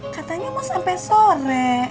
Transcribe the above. katanya mau sampai sore